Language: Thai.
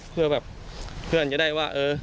เพื่อแบบเพื่อนจะได้ว่าเออ